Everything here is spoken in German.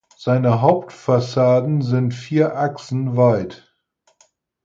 Seine Hauptfassaden sind vier Achsen weit.